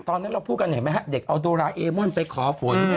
ตอนนั้นเราพูดกันเห็นไหมฮะเด็กเอาโดราเอมอนไปขอฝน